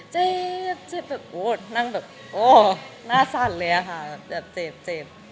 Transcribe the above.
แบบโอ้นั่งแบบโอ้หน้าสั่นเลยอะค่ะแบบเจ็บเจ็บ